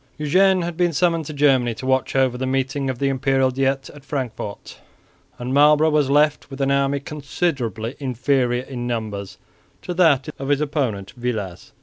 Eugene had been summoned to Germany to watch over the meeting of the Imperial Diet at Frankfort, and Marlborough was left with an army considerably inferior in numbers to that of his opponent Villars.